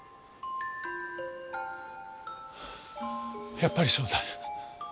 やっぱりそうだ。